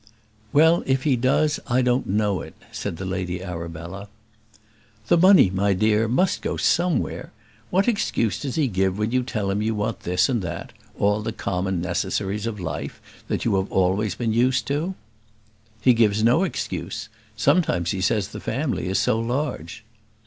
"Well, if he does, I don't know it," said the Lady Arabella. "The money, my dear, must go somewhere. What excuse does he give when you tell him you want this and that all the common necessaries of life, that you have always been used to?" "He gives no excuse; sometimes he says the family is so large."